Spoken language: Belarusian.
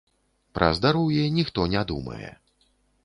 Пра здароўе ніхто не думае!